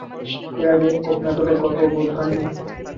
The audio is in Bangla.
এর আগে কখনো এতটা গর্ববোধ হয়নি।